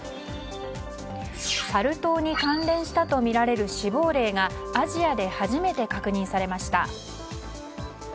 サル痘に関連したとみられる死亡例がアジアで初めて確認されました。